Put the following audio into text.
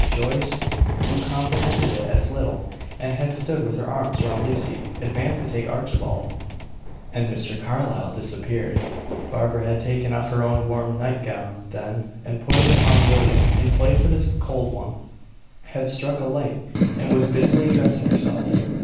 Joyce, who comprehended it as little, and had stood with her arms round Lucy, advanced to take Archibald, and Mr. Carlyle disappeared. Barbara had taken off her own warm night gown then, and put it upon William in place of his cold one had struck a light and was busily dressing herself.